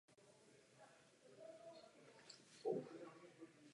Jeho „Příběh umění“ je dodnes oblíbený úvod do dějin umění.